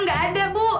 nggak ada bu